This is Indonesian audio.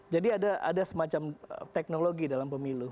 jadi ada semacam teknologi dalam pemilu